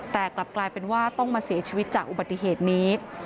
แต่กลับกลายเป็นว่าต้องมาเสียชีวิตจากอุบัติเหตุนี้